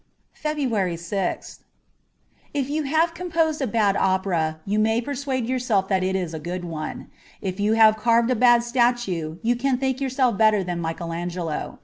'* 40 FEBRUARY 6th IF you have composed a bad opera you may persuade yourself that it is a good one ; if you have carved a bad statue you can think yourself better than Michelangelo.